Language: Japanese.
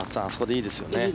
いいですね。